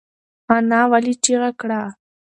انا ولې چیغه کړه؟